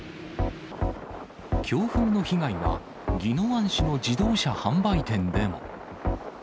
強風の被害は、宜野湾市の自動車販売店でも。